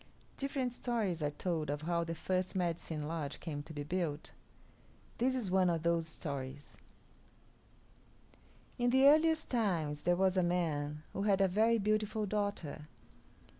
Different stories are told of how the first Medicine Lodge came to be built. This is one of those stories: In the earliest times there was a man who had a very beautiful daughter.